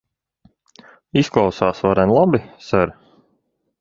Izklausās varen labi, ser.